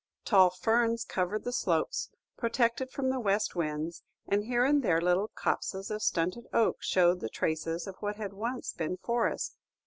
Tall ferns covered the slopes, protected from the west winds, and here and there little copses of stunted oak showed the traces of what once had been forest.